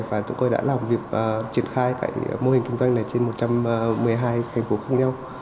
và chúng tôi đã làm việc triển khai tại mô hình kinh doanh này trên một trăm một mươi hai thành phố khác nhau